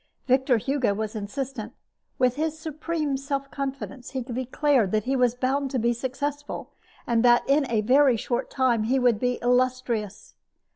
Victor Hugo was insistent. With his supreme self confidence, he declared that he was bound to be successful, and that in a very short time he would be illustrious.